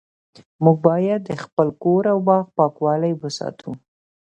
موږ باید د خپل کور او باغ پاکوالی وساتو